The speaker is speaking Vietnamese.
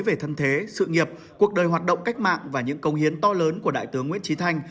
về thân thế sự nghiệp cuộc đời hoạt động cách mạng và những công hiến to lớn của đại tướng nguyễn trí thanh